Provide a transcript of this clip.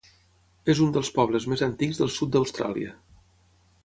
És un dels pobles més antics del sud d'Austràlia.